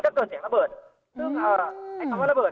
จะเกิดสิ่งระเบิด